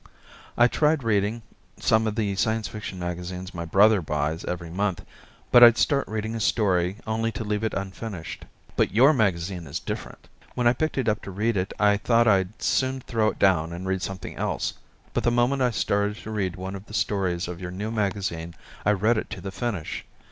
I tried reading some of the Science Fiction magazines my brother buys every month but I'd start reading a story only to leave it unfinished. But your magazine is different. When I picked it up to read it I thought I'd soon throw it down and read something else, but the moment I started to read one of the stories of your new magazine I read it to the finish.